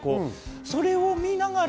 それを見ながら